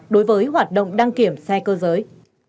đối với hoạt động đăng kiểm xe cơ giới